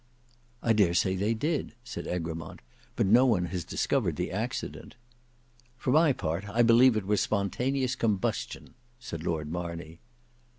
"I dare say they did," said Egremont; "but no one has discovered the accident." "For my part, I believe it was spontaneous combustion," said Lord Marney.